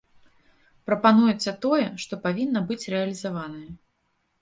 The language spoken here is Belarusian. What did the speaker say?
Прапануецца тое, што павінна быць рэалізаванае.